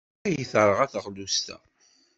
Ay, terɣa teɣlust-a!